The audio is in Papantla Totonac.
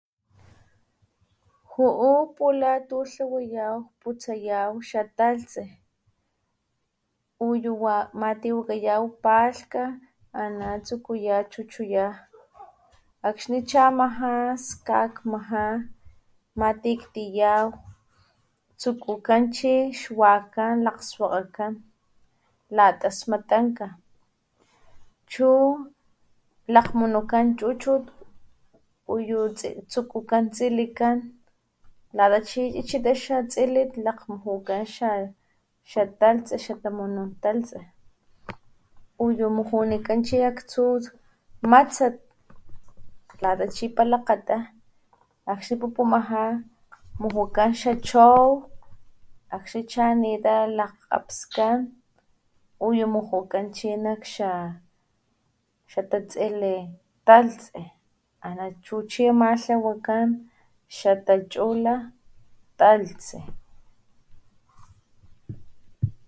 Ju´u pula tutlawayaw putsayaw xatalhtsi uyu matiwakayaw palhka ana tsukuya chuchuyaw akxni chamaja skakmaja matiktitaw tsukukan chi xwakan lakswakakan lata smatanka chu lakgmunukan chuchut uyu tsukukan tsilikan lata chi chichita xatsilin lakgmujukan xatalhtsi xatamunun talhtsi uyu mujunikan chi aktsu matsat, lata chi palakgata akxni pupumaja mujukan xachow akxni chanita lakgkgapskan uyu mujukan nakxa tatsilin talhtsi chuchi ama tlawakan xatachula talhtsi.